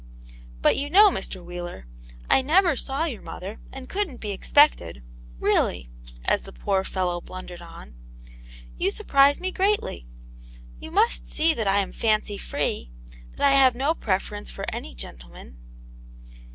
'*But you knovfy Mr; Wheekt, I never saw your Aunt Jane's Hero. 15 mother, and couldn't be expected — really," as the poor fellow blundered on, "you surprise me greatly. You must see that I am fancy free, that I have no preference for any gentleman."